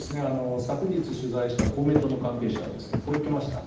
昨日取材した公明党の関係者はこう言ってました。